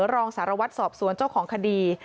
รองสารวัตรสอบสวนเจ้าของคดี